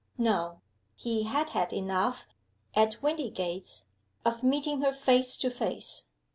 No! He had had enough, at Windygates, of meeting her face to face.